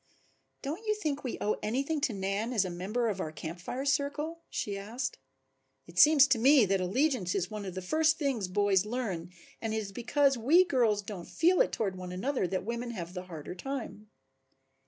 "Don't you think we owe anything to Nan as a member of our Camp Fire circle?" she asked. "It seems to me that allegiance is one of the first things boys learn and it is because we girls don't feel it toward one another that women have the harder time."